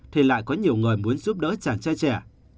thì lại có nhiều người muốn giúp đỡ chàng trai trẻ